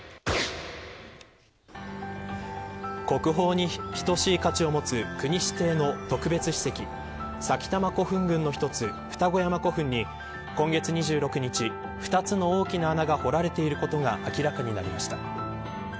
国宝に等しい価値を持つ国指定の特別史跡埼玉古墳群の一つ二子山古墳に今月２６日２つの大きな穴が掘られていることが明らかになりました。